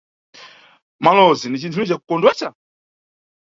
Malowozi ni cinthu lini cakukondwesa?